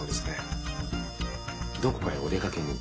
どこかへお出かけに？